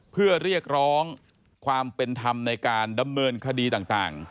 เพื่อเรียกร้องความเป็นธรรมในการดำเนินคดีต่าง